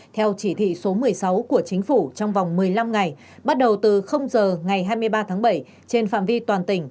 theo chỉ thị số một mươi sáu của chính phủ trong vòng một mươi năm ngày bắt đầu từ giờ ngày hai mươi ba tháng bảy trên phạm vi toàn tỉnh